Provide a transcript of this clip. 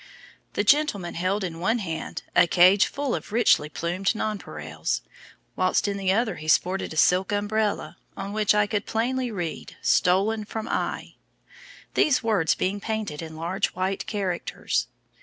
The gentleman held in one hand a cage full of richly plumed nonpareils, whilst in the other he sported a silk umbrella, on which I could plainly read 'Stolen from I,' these words being painted in large white characters.